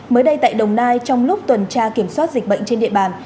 mới đây tại đồng nai trong lúc tuần tra kiểm soát dịch bệnh trên địa bàn